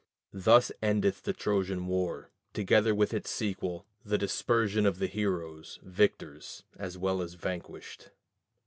Thus endeth the Trojan war, together with its sequel, the dispersion of the heroes, victors as well as vanquished.